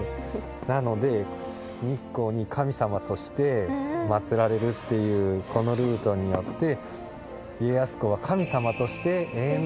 なので日光に神様として祭られるっていうこのルートによって家康公は。